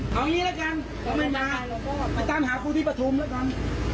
เอาอย่างนี้ละกันเราไม่มาไปตามหาผู้ที่ประทุมละกัน